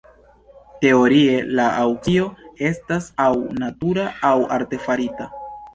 Teorie la aŭkcio estas aŭ natura aŭ artefarita.